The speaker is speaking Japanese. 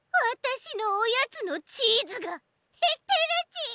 わたしのおやつのチーズがへってるち！